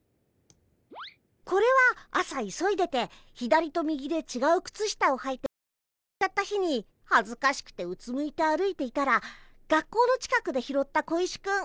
これは朝急いでて左と右でちがう靴下をはいて学校に行っちゃった日にはずかしくてうつむいて歩いていたら学校の近くで拾った小石くん。